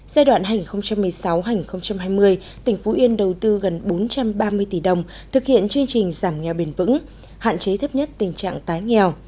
giai đoạn hành một mươi sáu hai nghìn hai mươi tỉnh phú yên đầu tư gần bốn trăm ba mươi tỷ đồng thực hiện chương trình giảm nghèo bền vững hạn chế thấp nhất tình trạng tái nghèo